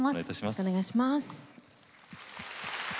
よろしくお願いします。